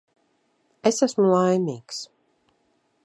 Es esmu laimīgs.